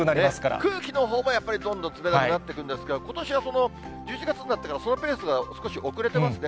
空気のほうもやっぱりどんどん冷たくなっていくんですけれども、ことしは１１月になってから、そのペースが少し遅れてますね。